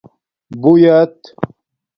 بویت